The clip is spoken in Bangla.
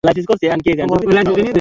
তোমার কিছু পড়েছে।